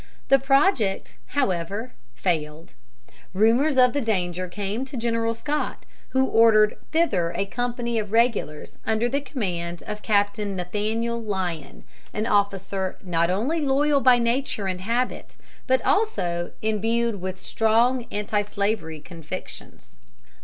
The project, however, failed. Rumors of the danger came to General Scott, who ordered thither a company of regulars under command of Captain Nathaniel Lyon, an officer not only loyal by nature and habit, but also imbued with strong antislavery convictions.